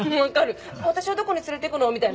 私をどこに連れてくの？みたいなね。